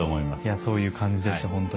そういう感じでした本当に。